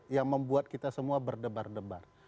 yang membuat kita semua berdebar debar